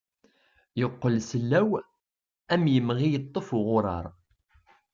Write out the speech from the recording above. Yeqqel sellaw am yemɣi yeṭṭef uɣurar.